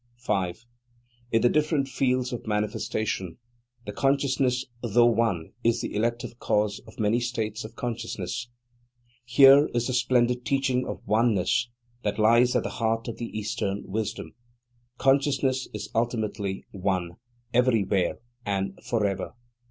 5. In the different fields of manifestation, the Consciousness, though one, is the elective cause of many states of consciousness. Here is the splendid teaching of oneness that lies at the heart of the Eastern wisdom. Consciousness is ultimately One, everywhere and forever.